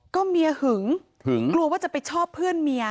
ก็เมียหึงหึงกลัวว่าจะไปชอบเพื่อนเมีย